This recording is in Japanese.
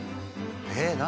えっ何？